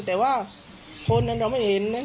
แต่ว่าคนนั้นเราไม่เห็น